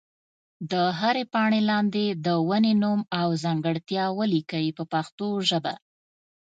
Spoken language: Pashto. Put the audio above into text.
د هرې پاڼې لاندې د ونې نوم او ځانګړتیا ولیکئ په پښتو ژبه.